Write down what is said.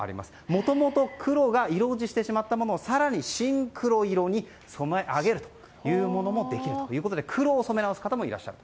もともと黒が色落ちしてしまったものを更に深黒色に染め上げることもできるということで黒を染め直す方もいらっしゃる。